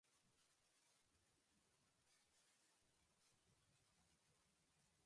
The machine was quite advanced for its time.